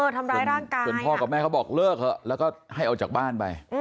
ทำร้ายร่างกายจนพ่อกับแม่เขาบอกเลิกแล้วให้เอาจากบ้านไป